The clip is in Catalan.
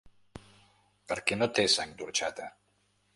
Perquè no té sang d’orxata.